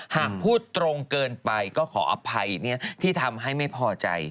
หากพูดตรงเกินไปก็ขออภัยที่ทำให้ไม่พอใจ